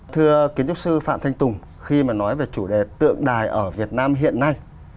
thưa kiến trúc sư phạm thanh tùng khi mà nói về chủ đề tượng đài ở việt nam hiện nay